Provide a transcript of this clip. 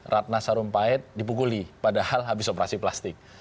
ratna sarumpait dipukuli padahal habis operasi plastik